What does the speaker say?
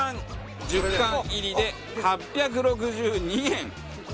１０缶入りで８６２円。